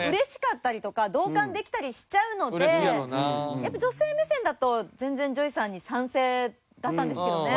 やっぱ女性目線だと全然ＪＯＹさんに賛成だったんですけどね。